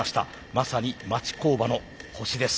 まさに町工場の星です。